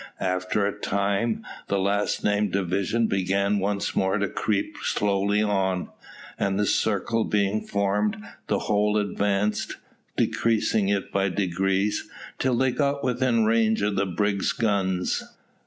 After a time, the last named division began once more to creep slowly on, and, the circle being formed, the whole advanced, decreasing it by degrees, till they got within range of the brig's guns.